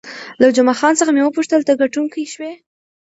له جمعه خان څخه مې وپوښتل، ته ګټونکی شوې؟